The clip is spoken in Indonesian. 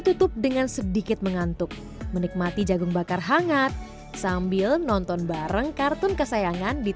tutup dengan sedikit mengantuk menikmati jagung bakar hangat sambil nonton bareng kartun kesayangan di